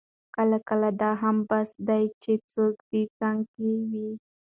کله کله دا هم بس ده چې څوک دې څنګ کې وي.